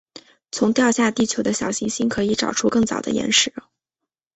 从掉下地球的小行星可以找出更早的岩石。